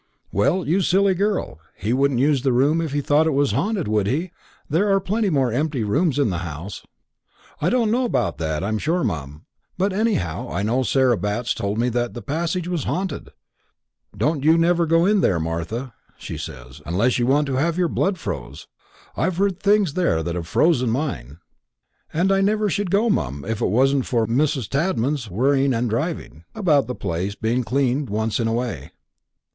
"Well, you silly girl, he wouldn't use the room if he thought it was haunted, would he? There are plenty more empty rooms in the house." "I don't know about that, I'm sure, mum; but anyhow I know Sarah Batts told me that passage was haunted. 'Don't you never go there, Martha,' she says, 'unless you want to have your blood froze. I've heard things there that have froze mine.' And I never should go, mum, if it wasn't for moth Mrs. Tadman's worrying and driving, about the place being cleaned once in a way.